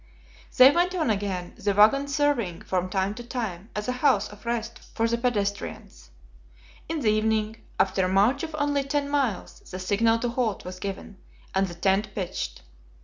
They went on again, the wagon serving, from time to time, as a house of rest for the pedestrians. In the evening, after a march of only ten miles, the signal to halt was given, and the tent pitched.